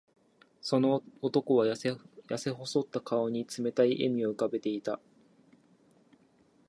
その男は、やせ細った顔に冷たい笑みを浮かべていた。